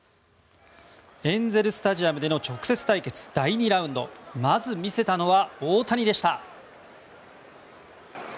エンゼル・スタジアムでの直接対決第２ラウンドまず見せたのは、大谷でした。